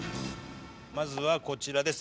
まずはこちらです。